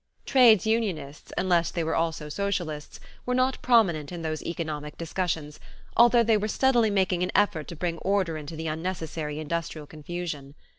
Trades unionists, unless they were also socialists, were not prominent in those economic discussions, although they were steadily making an effort to bring order into the unnecessary industrial confusion.